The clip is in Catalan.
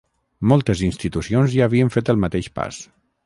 Moltes institucions ja havien fet el mateix pas.